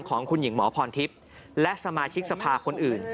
ของคุณหญิงหมอพรทิพย์และสมาชิกสภาคนอื่น